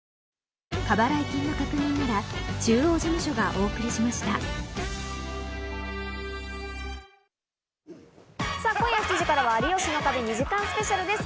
お花見今夜７時からは『有吉の壁』２時間スペシャルです。